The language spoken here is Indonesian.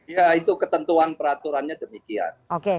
ya itu ketentuan peraturannya demikian